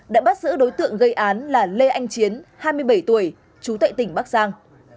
đã bắt giữ đối tượng gây án là lê anh chiến hai mươi bảy tuổi trú tại tỉnh bắc giang